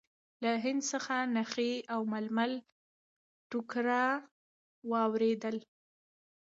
له هند څخه نخي او ململ ټوکر واردېدل.